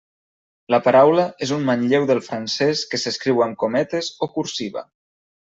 La paraula és un manlleu del francès que s'escriu amb cometes o cursiva.